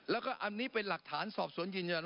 แล้วก็อันนี้เป็นหลักฐานสอบสวนจริงจันทร์